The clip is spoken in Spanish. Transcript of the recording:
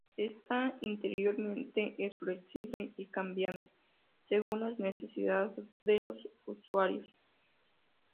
Esta, interiormente, es flexible y cambiante según las necesidades de los usuarios.